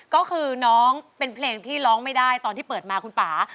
ก็คือน้องเป็นเพลงที่ร้องไม่ได้ตอนที่เปิดมาคุณป่า